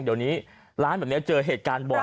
เดี๋ยวนี้ร้านแบบนี้เจอเหตุการณ์บ่อย